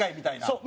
そう。